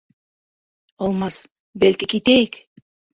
Алмас, бәлки, китәйек.